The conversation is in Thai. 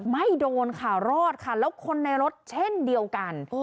ไม่โดนค่ะรอดค่ะแล้วคนในรถเช่นเดียวกัน